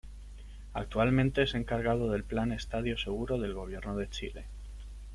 Actualmente es encargado del plan Estadio Seguro del Gobierno de Chile.